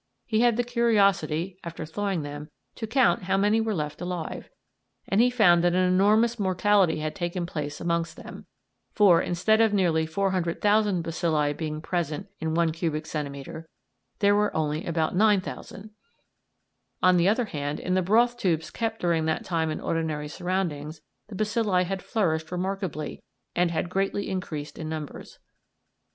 he had the curiosity, after thawing them, to count how many were left alive, and he found that an enormous mortality had taken place amongst them; for, instead of nearly 400,000 bacilli being present in one cubic centimetre, there were only about 9,000. On the other hand, in the broth tubes kept during that time in ordinary surroundings, the bacilli had flourished remarkably, and had greatly increased in numbers.